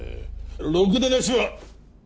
ろくでなしは！